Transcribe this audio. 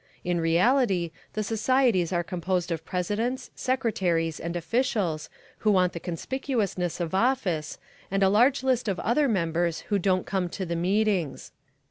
In reality the societies are composed of presidents, secretaries and officials, who want the conspicuousness of office, and a large list of other members who won't come to the meetings.